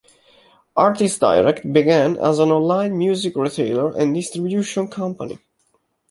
Artistdirect began as an online music retailer and distribution company.